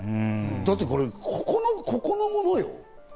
だって、ここのものよ。